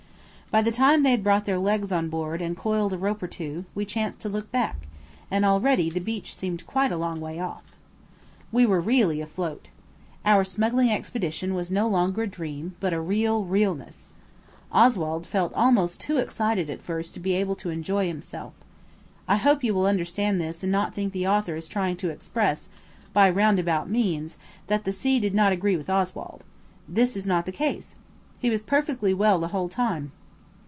By the time they had brought their legs on board and coiled a rope or two, we chanced to look back, and already the beach seemed quite a long way off. We were really afloat. Our smuggling expedition was no longer a dream, but a real realness. Oswald felt almost too excited at first to be able to enjoy himself. I hope you will understand this and not think the author is trying to express, by roundabout means, that the sea did not agree with Oswald. This is not the case. He was perfectly well the whole time.